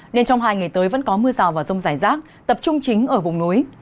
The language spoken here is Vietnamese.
nên trong hai ngày tới vẫn có mưa rào và rông rải rác tập trung chính ở vùng núi